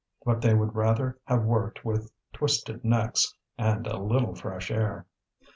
But they would rather have worked with twisted necks and a little fresh air.